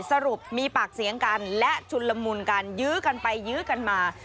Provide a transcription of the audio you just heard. สรุปมีปากเสียงกันและชุนละมุนกันยื้อกันไปยื้อกันมา